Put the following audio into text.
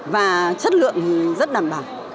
và chất lượng rất đảm bảo